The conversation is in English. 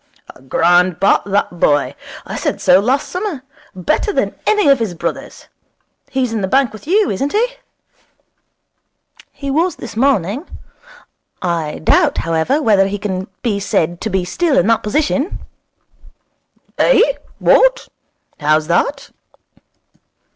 'A grand bat, that boy. I said so last summer. Better than any of his brothers. He's in the bank with you, isn't he?' 'He was this morning. I doubt, however, whether he can be said to be still in that position.' 'Eh? what? How's that?'